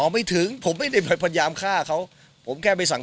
ไม่ถึงผมไม่ได้พยายามฆ่าเขาผมแค่ไม่สั่ง